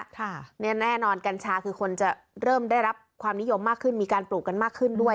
ค่ะเนี่ยแน่นอนกัญชาคือคนจะเริ่มได้รับความนิยมมากขึ้นมีการปลูกกันมากขึ้นด้วย